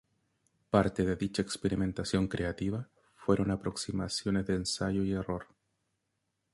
Parte de dicha experimentación creativa fueron aproximaciones de ensayo y error.